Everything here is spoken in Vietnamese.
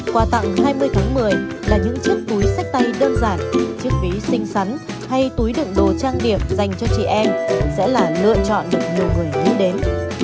quà tặng hai mươi tháng một mươi là những chiếc túi sách tay đơn giản chiếc ví xinh xắn hay túi đựng đồ trang điểm dành cho chị em sẽ là lựa chọn được nhiều người biết đến